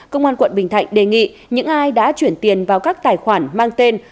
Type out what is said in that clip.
công an quận bình thạnh đề nghị những ai đã chuyển tiền vào các tài khoản mang tên